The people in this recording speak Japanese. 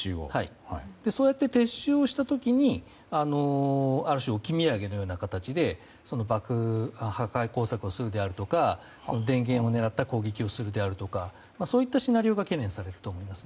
そういって撤収をした時にある種置き土産のような形で破壊工作をするであるとか電源を狙った攻撃をするであるとかそういったシナリオが懸念されると思います。